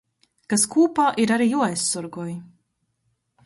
Kas kūpā ir ari juoaizsorgoj.